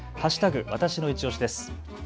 わたしのいちオシです。